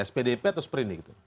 spdp atau seperindik